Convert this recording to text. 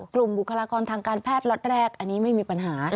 บุคลากรทางการแพทย์ล็อตแรกอันนี้ไม่มีปัญหา